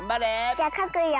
じゃかくよ。